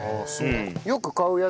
よく買うやつ。